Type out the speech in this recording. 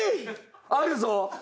あるぞ！